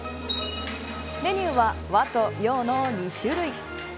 メニューは和と洋の２種類。